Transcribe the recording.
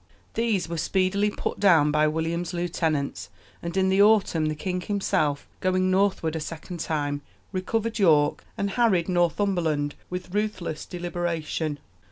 These were speedily put down by William's lieutenants; and in the autumn the king himself, going northward a second time, recovered York, and harried Northumberland with ruthless deliberation.